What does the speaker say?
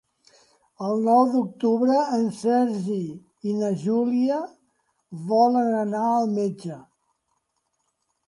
El nou d'octubre en Sergi i na Júlia volen anar al metge.